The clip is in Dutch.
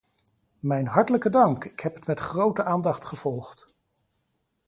Mijn hartelijke dank, ik heb het met grote aandacht gevolgd.